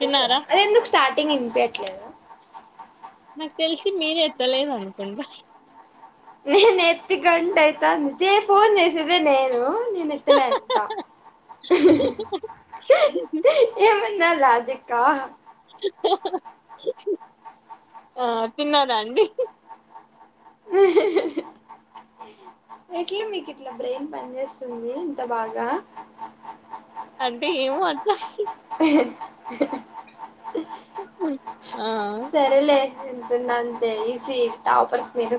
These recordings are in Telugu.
తిన్నారా అరె ఎందుకు స్టార్ట్ టింగిన్పియట్లేదా నాక్ తెల్సి మీరెత్తలేదనుకుంటా నేనెత్తి గంటైతాంది చేశ్ ఫోన్ జేశేదే నేనూ నేనెత్తలే అంటా ఏమ న్నా లాజిక్కా ఆ తిన్నారా అండి ఎట్ల మీకిట్ల బ్రెయిన్ పన్జేస్తుందీ ఇంత బాగా అంటె ఏమో అట్ల ఆ ఎంతున్నా అంతే ఈసీ టాపర్స్ మీరు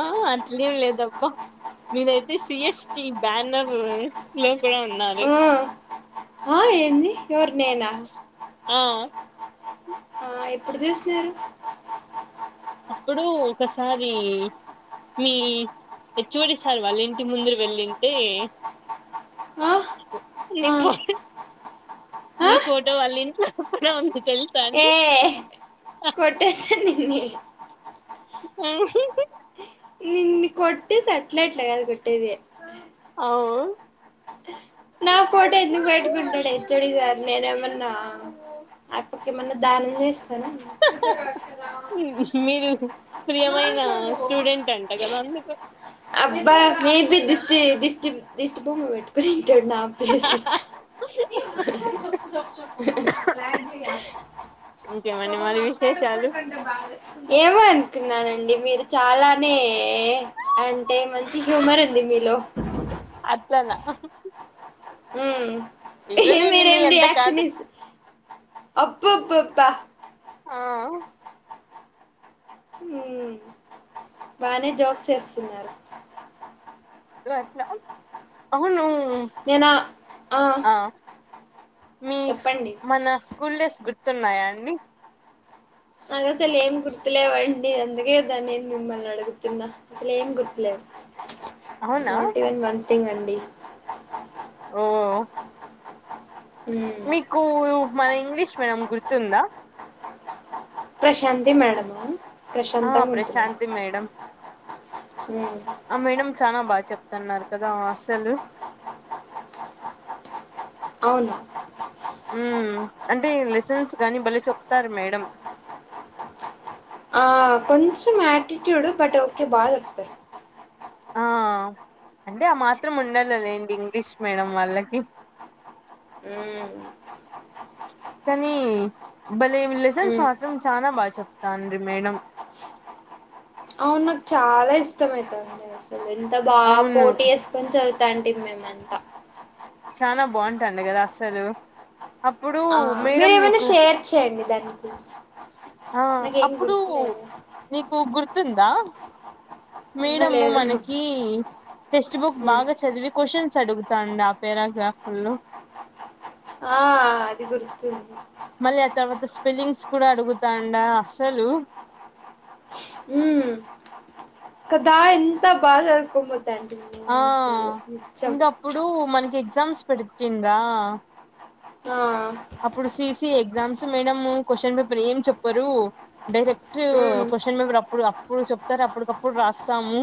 ఆ అట్లేం లేదబ్బ మీరైతే సిహెస్టి బ్యానర్ ఫ్టే ఉన్నారు మ్మ్ ఆ యేంది ఎవర్ నేనా ఆ ఆ ఎప్పుడు జూస్నారు అప్పుడూ ఒకసారీ మీ హెచ్ వోడి సార్ వాళ్లింటి ముందుర వెళ్ళింటే ఆ నీ ఆ ఫో ఆ మీ ఫోటో వాళ్లింట్లో కూడా ఉంది తెలుసా ఏ అండి కొట్టేస్తా నిన్నీ ఆ నిన్ని కొట్టేస్తే అట్లా ఇట్ల గాదు కొట్టేదీ అవు నా ఫోటో ఎందుక్ వెతుకుంటాడే హేషోడి జార్ నేను ఏమన్నా ఆ అప్పక ఏమన్నా దానం జేస్ మీరు ప్రియమైన స్టూడెంట్ అంట గదాన్ నుకో అబ్బా మేబి దిష్టి దిష్టి దిష్టి బొమ్మ పెట్టుకొనింటా నా ప్లేస్ లో ఇంకేమండి మరి విశేషాలు ఎవన్ తిన్నారండి. మీరు చాలానే అంటే మంచి హ్యూమర్ ఉంది మీలో అట్లనా ఉమ్ ఇదేలేండి మీ మీరేంది అంత కాదు యాక్షన్ ఇస్ ఉబూబా అవు హుహ్ బానే జోక్స్ ఏసున్నారు. అవును నేను ఆ మీస్క్ చెప్పండి మన స్కూల్ డేస్ గుర్ తున్నాయండి. నాగ్ అసలు ఏం గుర్తులే వండి. అందుగే దానేం మిమ్మల్ని అడుగుతున్న అసలు ఏం గుర్తులేవ్. అవునా నార్టీ వేన్ మన్ తింగ్ అండి. ఓ మ్మ్ మీకు మన ఇంగ్లీష్ మేడం గుర్తుందా. ప్రశాంతి మేడమా ఆ ప్రశాంతాంగా ఉంటుంది. ప్రశాంతి మేడం ఆ మేడం చానా బాగా చెప్తున్నారు కదా అసలు అవునా ఉహు్ అంటే లెసన్స్ కానీ భలే చెప్తారు మేడం. ఆ కొంచెం ఆటిట్యూడ్ బట్ ఓకే బాగా ఏప్తార్. ఆ అంటే ఆ మాత్రం ఉండాలా లేండి. ఇంగ్లీష్ మేడం వాళ్ళకి. ఉమ్ కానీ భలేమి లెసన్స్ మ్మ్ మాత్రం చనా బా చెప్తాంది మేడం. నాక్ చాలా ఇష్టమైతుండే అసలు ఎంత బా అవును పోటీ ఏసుకొని చదువ్ తాంటి మేమెంత చనా బావుంటాంది గదా అస్సలు అప్పుడు ఆ మేడం మీరేమైనా నీకు షేర్ చేయండి దానక్ ప్లీజ్ ఆ అప్పుడు నీకు గుర్తుందా ఆహా మేడము లేదు మనకి టెక్స్ట్ బుక్ బాగా చదివి క్వశ్చన్స్ అడుగుతాడం. పేరా గ్రాఫులో ఆ ఆ అది గుర్తుంది. మళ్ళీ ఆ తర్వాత స్పెల్లింగ్స్ కూడా అడుగుతా అండా అసలు ఉహ్మ్ కదా ఎంత బాగ్ చదుకో మొంత్ ఆఆ ఇందా అప్పుడు మనకి ఎగ్జామ్స్ పెడితిందా. ఆఆ అప్పుడు CC exams madam question paper ఏం చెప్పరు డైరెక్ట్ మ్మ్ క్వశ్చ హేన్ అప్పుడు అప్పుడు చెప్తారు అప్పుటికప్పుడు రాస్తాము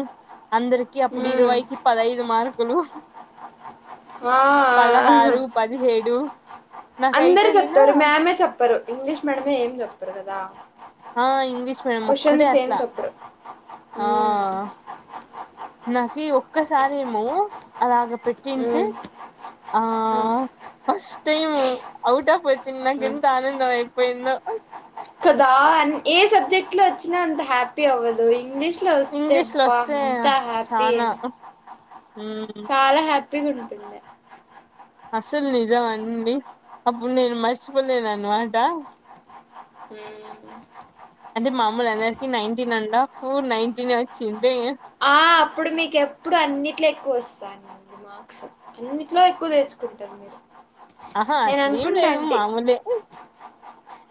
అందరికి అప్పుడు మ్మ్ ఇరవై ఈ పద్దంది మార్కులు ఆ ఆ పదహారు పదిహేడు నాకైతే అందరు గిన చెప్తరు మామే చెప్పరు ఇంగ్లీష్ మీడయమే మేడమ్ ఏ ఏం చెప్పరు కదా ఆ ఇంగ్లీష్ మీడియం ఒక్కటే కోశాసనస్ ఏం అట్లా చెప్పరు ఆ నాకి ఒక్కసారేమో అలాగ పెట్టింటె మ్మ్ ఆ మ్మ్ ఫస్ట్ టైం ఔట్టాఫ్ ఆఫ్ వచ్చింది నాకు మ్మ్ ఎంత ఆనందం అయిపోయిందో అ కదా ఏ సబ్జెక్ట్ లో వచ్చినా అంత హ్యాపీ అవ్వదు ఇంగ్లీష్ లో వస్తె ఇంగ్లీష్ లో బా వస్తే ఎంత హ్యాపీ ము పిడుగులు అసలు నిజం అండి అప్పుడు నేను మర్చిపోలేను అనమాట ము అంటే మామూలు అందరికి నైన్టీన్ అండ్ హాఫ్ నైన్టీన్ ఏ వచ్చింటే ఆ అప్పుడు మీకు ఎప్పుడు అ ఎక్కువ వస్తాడి మార్క్స్ అన్నిట్లో ఎక్కువ తెచ్చుకుంటారు మీరు ఆహా నేను అట్లేం లేదు అనుకుంటాంటి మామూలే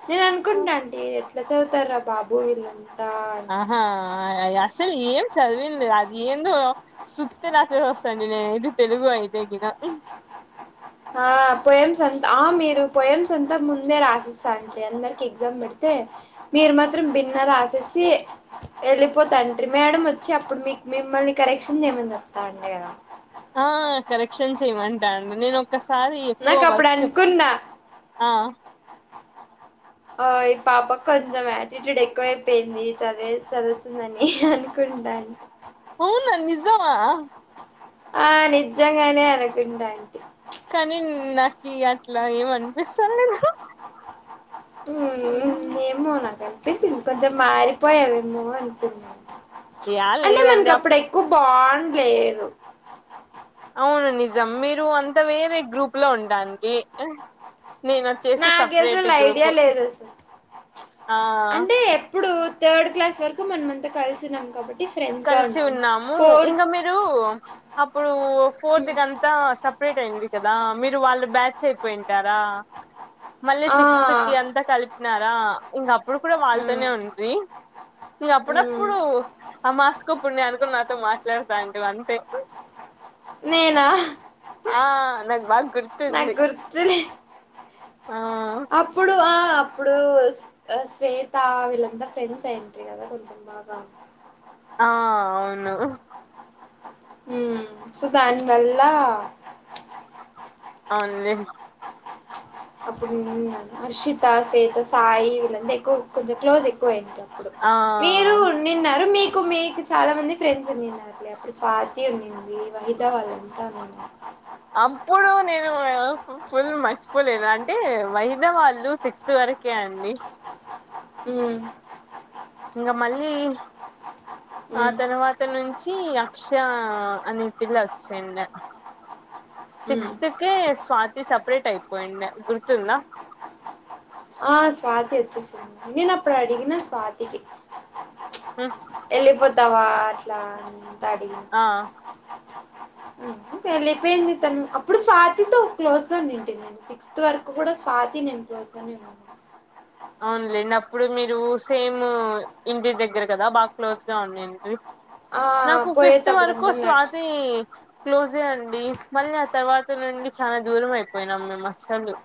నేను అనుకుంటాంటి ఎట్ల చదువుతారా బాబు వీళ్ళని ఆహా అసలు ఏం చదివేది లేదు అది ఏందో సుత్తి రాసేసి వస్తాంటి నేనైతే తెలుగు అయితే గిన ఆ పొఎమ్స్ అంతా ఆ మీరు పొయమ్స్ అంతా ముందే రాసిస్తా అంటడి అందరికి ఎగ్జామ్ పెడితే మీరు మాత్రం బేన్న రాసేసి వెళ్ళిపోతంట్రీ మేడం వచ్చి అప్పుడు మీకు మిమ్మల్ని కరెక్షన్స్ చేయమని చెప్తాండే కదా ఆ కరెక్షన్ చేయమంటాండ నేను ఒకసారి ఎక్కువ నాకు అప్పుడు వర్క్ చెప్పు అనుకున్నా ఆ ఆ ఈ పాపకు కొంచెం యాటిట్యూడ్ ఎక్కువయిపోయింది చదివేసి చదువుతుందని అనుకుంట కుంటాంటి అవునా నిజమా ఆ నిజంగానే అనుకుంటాంటీ కానీ నాకు అట్ల ఏమి అనిపిస్తుంది అనిపిస్తండ్లేదు ము ఏమో నాకు అనిపించింది కొంచెం మారిపోయావేమో అనుకున్న యాడ అంటే మనకు లేదండి అప్పుడు ఎక్కువ బాండ్ లేదు అవును నిజం మీరు అంతా వేరే గ్రూప్ లో ఉంటాండి నాకు అసలు ఐడియా లేదు ఆ అంటే ఎప్పుడు థర్డ్ క్లాస్ వరకు మనంమంతా కలిసున్నాం కాబట్టి ఫ్రెండ్స్ గా కలిసి ఉన్నాం ఉన్నాము ఫోర్త్ ఇంక మీరు అప్పుడు ఫోర్త్ కు అంతా సపరేట్ చలివిడి కదా మీరు వాళ్ళు బ్యాచ్ అయిపోయింటారా మళ్ళీ ఆ సిక్స్త్ కి అంతా కలిపినారా ఇంకా అ ఇప్పుడు కూడా మ్మ్ వాళ్ళతోనే ఉంటుంది వుంట్రి ఇంగ మ్మ్ అప్పుడప్పుడు అమావాస్యకో పుణ్యానికో నాతో మాట్లాడతాంటివి అంతే నేనా ఆ నాకు బాగా నా గుర్తుంది గుర్తు లే ఆ అప్పుడు ఆ అప్పుడు శ్వేత వీళ్ళంతా ఫ్రెండ్స్ అయింట్రీ కదా కొంచెం బాగా ఆ అవును ము సో దాని వల్ల అవున్లే అప్పుడు నేను అర్షిత, శ్వేత, సాయి వీళ్లంతా ఎక్కువ కొంచెం క్లోజు ఎక్కువ ఐంట ఇప్పుడు ఆ మీరు నిన్నారు మీక్ కు మీకు చాలా మంది ఫ్రెండ్స్ ఉండినారు లే అప్పుడు స్వాతి ఉండింది వహితా వాళ్ళంతా ఉన్నా అప్పుడు నేను ఫుల్ మర్చిపోలేద అంటే వహీదా వాళ్ళు సిక్త్ వరకే అండి. ఉమ్ ఇంకా మళ్ళీ ఆ ఉమ్ తర్వాత నుంచి అక్ష ఆ అని పిల్ల వచ్చేండి ఉమ్ సిక్స్త్ కి స్వాతి సపరేట్ అయిపోంది. పోయిందా గుర్తుంద ఆ స్వాతి వచ్చిసింది నేను అప్పుడు అడిగిన స్వాతికి ప్చ్ వెళ్ళిపోతావా అట్లా అంత అడిగిన ఆ [inaudible] వెళ్లిపోయింది తను అప్పుడు స్వాతితో క్లోజ్ గా నింటిని నేను సిక్స్త్ వరకు కూడా స్వాతి నేను క్లోజ్ ధన్యవాదలు అవున్లేండి అప్పుడు మీరు సేమ్ ఇంటి దగ్గర కదా బాగా క్లోజ్ గా ఉండింటిరి [inaudible] ఆ నాకు ఫిఫ్త్ వరకు పోయేటప్పుడంతా నడిచి స్వాతి క్లోజే అండి మళ్ళీ ఆ తర్వాత నుండి చాలా దూరం అయిపోయినాం మేం అస్సలు.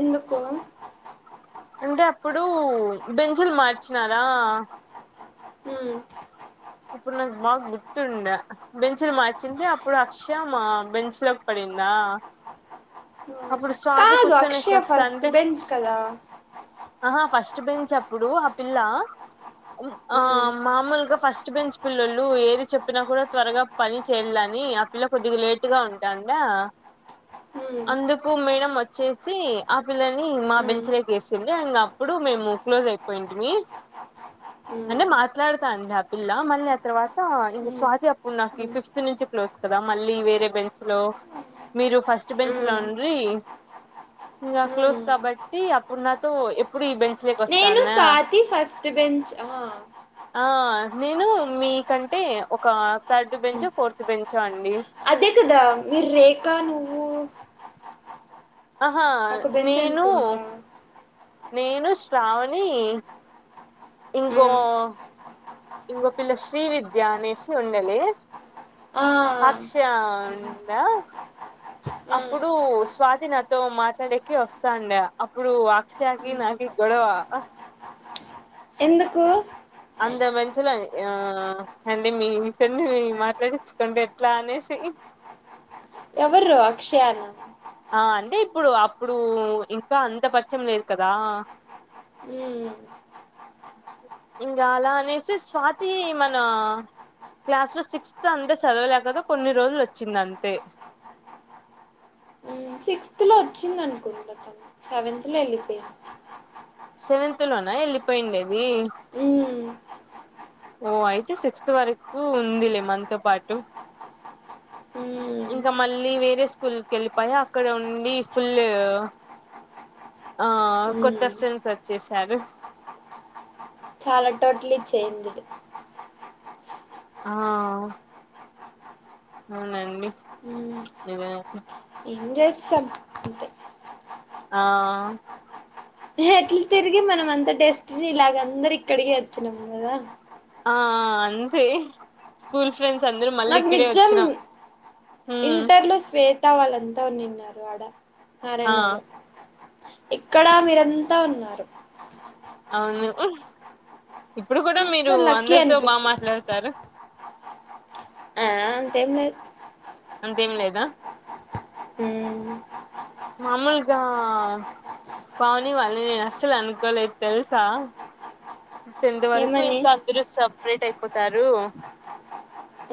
ఎందుకు అంటే అప్పుడు బేంచిలు మార్చినారా ఊ ఇప్పుడు నాకు బాగా గుర్తుండ బెంచ్లు మార్చింది అప్పుడు అక్షయ మా బెంచ్ లోకి పడి ఇందా ఉమ్ అప్పుడు స్వాతి కాదు కూర్చొనిక అక్షయ ఫస్ట్ వస్తాండే బెంచ్ కదా ఆహా ఫస్ట్ ఫస్ట్ బెంచ్ అప్పుడు ఆ పిల్ల ఆ ఉమ్ మామూలుగా ఫ స్ట్ బెంచ్ పిల్లలు ఏది చెప్పినా కూడా త్వరగా పని చేయాలని ఆ పిల్ల కొద్దిగా లేటు గా ఉంటాండ. ఆ ఊ అందుకు మేడం వచ్చేసి ఆ పిల్లని మా ఉమ్ బెంచ్ లోకి వేసింది అం అప్పుడు మేము క్లోజ్ అయిపోయింటిమీ ఉమ్ అంటే మాట్లాడతా అండి హ పిల్లా మళ్ళీ ఆ తర్వాత ఇంక ఉమ్ స్వాతి అప్పుడు నాకు ఉమ్ ఫిఫ్త్ నుంచి క్లోజ్ కదా మళ్ళీ వేరే బెంచ్ లో మీరు ఫస్ట్ బెంచ్ లో ఉమ్ ఉండ్రీ ఇక క్లోజ్ ఉమ్ కాబట్టి అప్పుడు నాతో ఎప్పుడు ఈ బెంచ్ లోకి వస్ నేను సన్న స్వాతి ఫస్ట్ బెంచ్ ఆ ఆ నేను మీ కంటే ఒక థర్డ్ ఉమ్. బెంచో ఫోర్త్ బెంచో అండి. అదే కదా మీరు రేఖ, నువ్వు. ఆహా ఒక బెంచ్ నేను అనుకుంటా నేను శ్రావణి ఇంకో ఉమ్ ఇంగో పిల్ల శ్రీ విద్య అనేసి ఉండలి. ఆ అక్షయా దా ఆ అప్పుడు స్వాతి నాతో మాట్లాడేకి వస్తాండ అప్పుడు అక్షయ కి ఉమ్ నాకు గొడవ ఎందుకు అంద బెంచిలోని ఆ అండి మీ ఫ్రెండ్ మాట్లాడించుకోండి ఎట్లా అనేసి [inaudible] ఎవరు అక్షయ నా ఆ అంటే ఇప్పుడు అంత పరిచయం లేదు కదా మ్మ్ ఇంగ అలా అనేసి స్వాతి మన క్లాస్ లో సిక్స్త్ అంత చదవలేకదా కొన్ని రోజులు వచ్చింది అంతే ఉ సిక్స్త్ లో వచ్చింది అనుకుంట తను సెవెంత్ లో వెళ్ళిపోయాంది సెవెంత్ లోనా వెళ్ళిపోయిండేది మ్మ్ ఓ అయితే సిక్స్త్ వరకు ఉంది లే మంతో పాటు ఉ ఇంకా మళ్ళీ వేరే స్కూల్కి వెళ్ళిపోయ అక్కడ ఉండి ఫుల్ ఆ కొత్త మ్మ్ ఫ్రెండ్స్ వచేసారు చాల టోటల్ ఇచ్చయింది [unintelligible] ఆ అవునండి మ్మ్ నిజమే ఏం చేస్తాం అంతే ఆ ఎట్ల తిరిగి మనం అంత డేస్ట్నిలాగ అందరు ఇక్కడికే వచ్చినాము కదా ఆ అంతే స్కూ నాకు నిజం హ్మ్ ఇంటర్లో [unintelligible] వాళ్ళంతా ఉనిన్నారు ఆడ ఆ నారాయణలో ఇక్కడ మీరంతా ఉన్నారు అవును ఇప్పుడు కూడ మీరు లక్కీ అందరితో [unintelligible] అనిపిస్తుంది మాట్లాడతారు ఆ అంతే లేదు అంతేం లేదా మ్మ్ మామూల్గా పావని వాళ్ళని నేను అస్సలు అనుకోలేదు తెలుసా టెన్త్ వరకు ఏమని ఇంకా అందరు సపరేట్ అయిపోతారు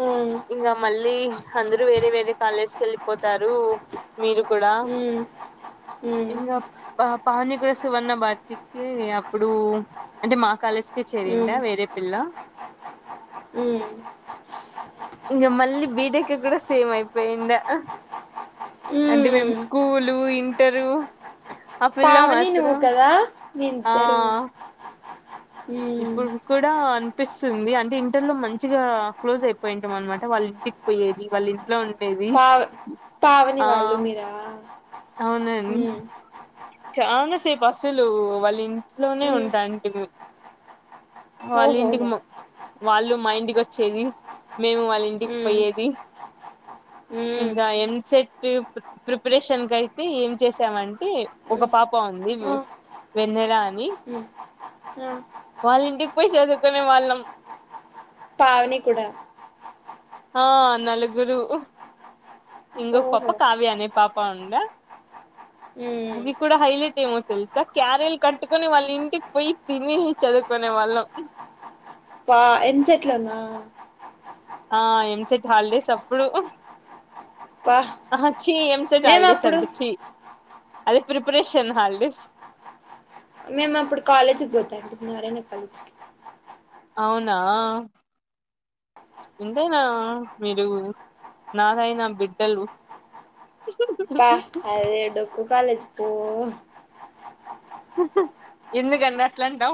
ఉమ్, ఇంకా మళ్ళీ అందరూ వేరే వేరే కాలేజ్కి వెళ్ళిపోతారు మీరు కూడ ఉమ్, ఉమ్, ఇంకా పావని ప్లేస్ సువర్ణ భర్తికి అప్పుడు అంటే మా మా కాలేజీ కే చేరిండ వేరే పిల్ల ఉ ఇంగ మళ్ళీ బీటెక్ కూడ సేమ్ అయిపోయిండ అంటే మేము ఉమ్. స్కూలు ఇంటరు పిల్ల పావని నువ్వు మాత్రం కదా మీ ఆ ఇద్దరు ఉమ్, ఇప్పుడు కూడ కనిపిస్తుంది అంటే ఇంటర్లో మంచిగా క్లోజ్ అయిపోయింటాం అనమాట వాళ్ళ ఇంటికి పోయేది వాళ్ళ ఇంట్లో ఉండేది [unintelligible] పావని వాళ్ళు మీరా అవునం ఉమ్, చాన సేపు అసలు వాళ్ళ ఇంట్లోనే ఉమ్, వుంటన్టి వాళ్ళ ఇంటికి ఓహోహో వాళ్ళు మా ఇంటికి వచ్చేది మేము వాళ్ళ ఇంటికి ఉమ్, పోయేది ఉమ్, ఇంకా ఎంసెట్ ప్రిపరేషన్ కి అయితే ఏం చేసామంటే ఒక ఉమ్, పాప ఉంది ఆ, వెన్నెల అని ఉమ్, ఆ. వాళ్ళ ఇంటికి పోయి చదువుకునే వాళ్ళం పావని కూడా ఆ నలుగురు ఎంగో పాప ఓహో కావ్య అనే పాప ఉండే మ్ అది కూడా హైలైట్ ఏమో తెలుసా క్యారిల్ కట్టుకుని వాళ్ళ ఇంటికి పోయి తిని చదువుకునే వాళ్ళం పా ఎమ్ సెట్ లోన ఆ ఎం సెట్ హాలిడేస్ అప్పుడు పా ఆహా చీ ఎంసెట్ మేము హాలీడ్ అప్పుడు అంట చీ అది ప్రిపరేషన్ హల్డీస్ మేము అప్పుడు కాలేజీకి పోతాంటిమి నారాయణ కాలేజ్కి అవునా ఎంతేనా మీరు నారాయణ బిడ్డలు ప్పా అదే డోక్కు కాలేజ్ పో ఎందుకండి అట్లాంటావ్